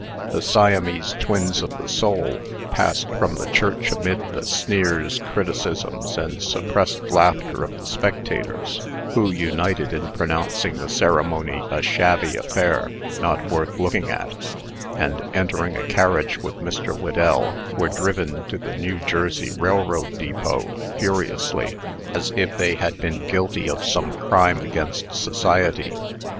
The Siamese twins of the soul passed from the church amid the sneers, criticisms, and suppressed laughter of the spectators who united in pronouncing the ceremony a shabby affair, not worth looking at and, entering a carriage with Mr. Whedell, were driven to the New Jersey Railroad Depot furiously, as if they had been guilty of some crime against society.